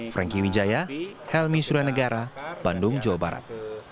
franky widjaya helmy suryanegara bandung jawa barat